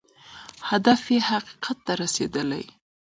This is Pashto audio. هدف یې حقیقت ته رسېدل دی.